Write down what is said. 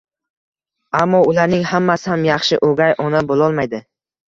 ammo ularning hammasi ham yaxshi o'gay ona bo'lolmaydi.